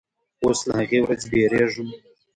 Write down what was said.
اوس له هغې ورځې بیریږم